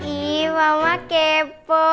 ih mama kepo